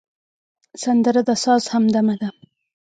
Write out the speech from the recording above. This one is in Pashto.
سندره د ساز همدمه ده